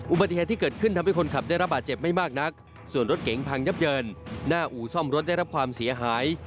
อุบัติเหตุที่เกิดขึ้นทำให้คนขับได้รับบาดเจ็บไม่มากนักส่วนรถเก๋งพังยับเยินหน้าอู่ซ่อมรถได้รับความเสียหาย